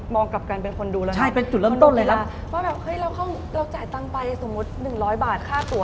มองกับกันเป็นคนดูกีฬาว่าแบบเฮ้ยเราจ่ายตังค์ไปสมมุติ๑๐๐บาทค่าตัว